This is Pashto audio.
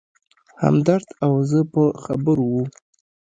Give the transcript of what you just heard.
همدرد او زه په خبرو و.